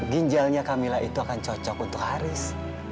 ginjalnya camilla itu akan cocok untuk haris